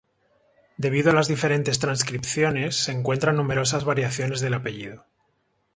Debido a las diferentes transcripciones, se encuentran numerosas variaciones del apellido.